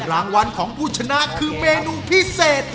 รางวัลของผู้ชนะคือเมนูพิเศษ